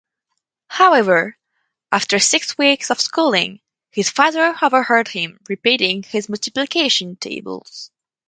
However, after six weeks of schooling his father overheard him repeating his multiplication tables.